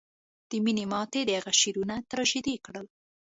د مینې ماتې د هغه شعرونه تراژیدي کړل